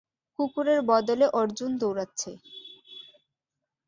কুকুরের বদলে অর্জুন দৌড়াচ্ছে!